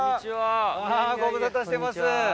ご無沙汰してます。